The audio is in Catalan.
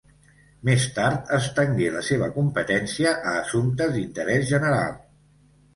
Més tard estengué la seva competència a assumptes d'interès general.